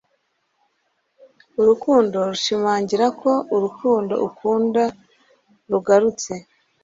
Urukundo rushimangira ko urukundo ukunda rugarutse.”